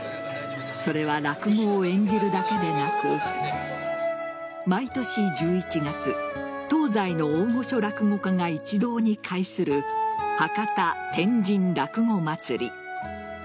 それは落語を演じるだけでなく毎年１１月東西の大御所落語家が一堂に会する博多・天神落語まつり。